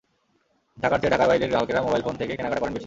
ঢাকার চেয়ে ঢাকার বাইরের গ্রাহকেরা মোবাইল ফোন থেকে কেনাকাটা করেন বেশি।